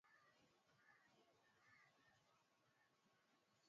Nilisoma shule moja na rafiki yake baba